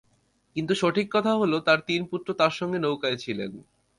কিন্তু সঠিক কথা হলো, তার তিন পুত্র তাঁর সঙ্গে নৌকায় ছিলেন।